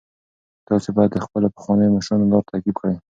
تاسي باید د خپلو پخوانیو مشرانو لار تعقیب کړئ.